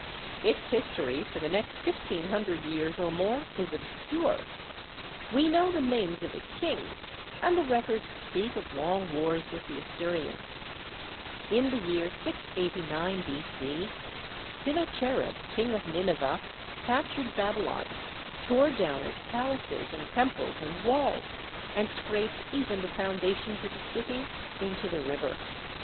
Its history for the next fifteen hundred years or more is ob scure. We know the names of its kings, and the records speak of long wars with the Assyrians. In the year 689 B.C., Sinacherib, King of Nineveh, captured Babylon, tore down its palaces and tem ples and walls, and scraped even the foundations of the city into the river.